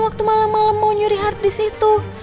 waktu malam malam mau nyuri hard disk itu